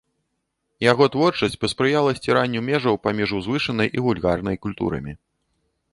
Яго творчасць паспрыяла сціранню межаў паміж узвышанай і вульгарнай культурамі.